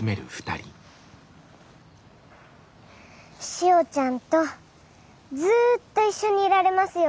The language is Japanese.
しおちゃんとずっと一緒にいられますように。